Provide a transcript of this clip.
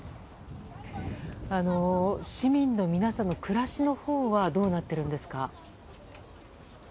市民の皆さんの暮らしのほうはどうなっているんですか？